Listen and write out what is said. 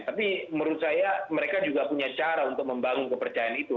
tapi menurut saya mereka juga punya cara untuk membangun kepercayaan itu